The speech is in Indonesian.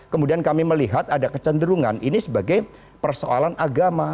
kemudian kami melihat ada kecenderungan ini sebagai persoalan agama